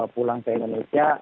pulang ke indonesia